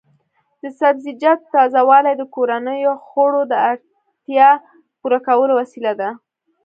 د سبزیجاتو تازه والي د کورنیو خوړو د اړتیا پوره کولو وسیله ده.